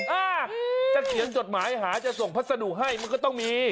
อ่าจะเขียนจดหมายหาจะส่งพัสดุให้มันก็ต้องมี